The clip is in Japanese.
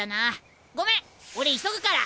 ごめん俺急ぐから。